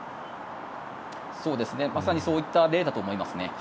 まさにそういった例だと思いますね。